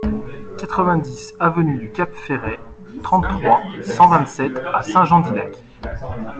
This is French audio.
quatre-vingt-dix avenue du Cap Ferret, trente-trois, cent vingt-sept à Saint-Jean-d'Illac